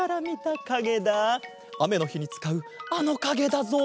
あめのひにつかうあのかげだぞ。